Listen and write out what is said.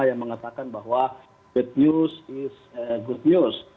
yang mengatakan bahwa it news is good news